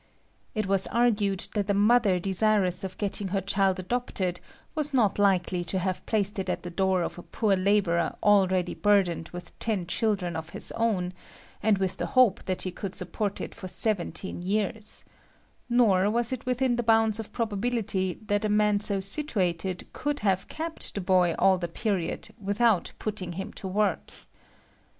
It was argued that a mother desirous of getting her child adopted was not likely to have placed it at the door of a poor labourer already burdened with ten children of his own, and with the hope that he could support it for seventeen years; nor was it within the bounds of probability that a man so situated could have kept the boy all that period without putting him to work.